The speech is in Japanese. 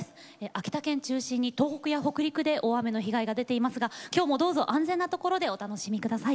秋田県中心に東北や北陸で大雨の被害が出ていますが今日もどうぞ安全な所でお楽しみ下さい。